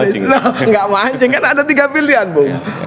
nggak mancing kan ada tiga pilihan bu